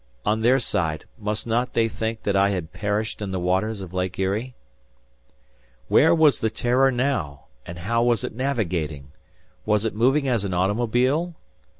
On their side, must not they think that I had perished in the waters of Lake Erie? Where was the "Terror" now, and how was it navigating? Was it moving as an automobile?